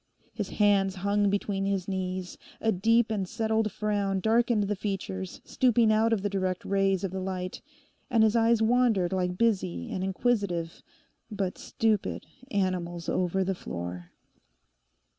His hands hung between his knees, a deep and settled frown darkened the features stooping out of the direct rays of the light, and his eyes wandered like busy and inquisitive, but stupid, animals over the floor.